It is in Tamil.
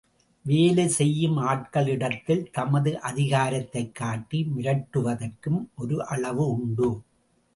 வேலை செய்யும் ஆட்களிடத்தில் தமது அதிகாரத்தைக் காட்டி மிரட்டுவதற்கும் ஒரு அளவு உண்டு.